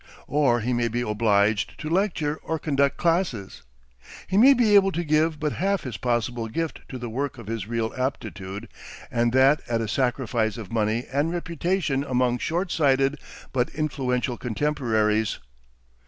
Or he may be obliged to lecture or conduct classes. He may be able to give but half his possible gift to the work of his real aptitude, and that at a sacrifice of money and reputation among short sighted but influential contemporaries.